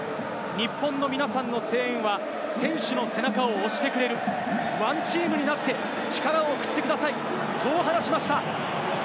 日本の皆さんの声援は選手の背中を押してくれる、ＯＮＥＴＥＡＭになって力を送ってください、そう話しました。